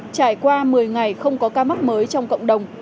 trải qua một mươi ngày không có ca mắc mới trong cộng đồng